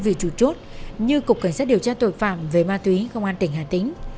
đơn vị trụ trốt như cục cảnh sát điều tra tội phạm về ma túy công an tỉnh hà tĩnh